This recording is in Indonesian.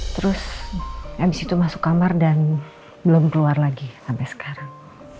terus habis itu masuk kamar dan belum keluar lagi sampai sekarang